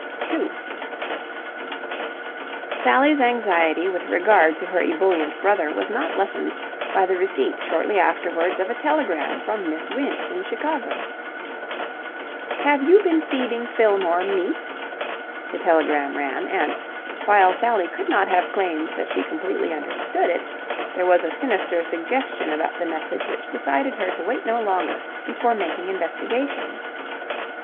2 Sally's anxiety with regard to her ebullient brother was not lessened by the receipt shortly afterwards of a telegram from Miss Winch in Chicago. Have you been feeding Fillmore meat? the telegram ran: and, while Sally could not have claimed that she completely understood it, there was a sinister suggestion about the message which decided her to wait no longer before making investigations.